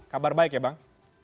kabar baik ya bang